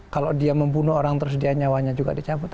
kalau dia membunuh orang terus dia nyawanya juga dicabut